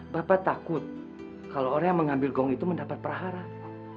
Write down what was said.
bapak takut kalau orang yang mengambil gong itu mendapat perahara